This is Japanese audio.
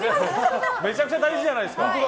めちゃくちゃ大事じゃないですか。